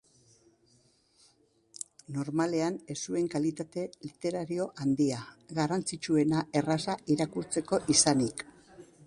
Normalean ez zuen kalitate literario handia, garrantzitsuena erraza irakurtzeko izanik.